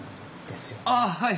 ああはい。